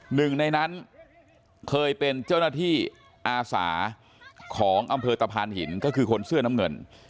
หนึ่งในนั้นเคยเป็นเจ้าหน้าที่อาสาของอำเภอตะพานหินก็คือคนเสื้อน้ำเงิน